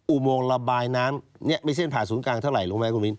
อุบวงระบายน้ำนี้ไม่เส้นผ่านศูนย์กลางเท่าไหร่รู้ไหมครับคุณวิน